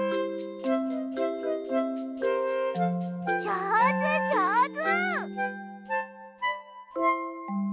じょうずじょうず！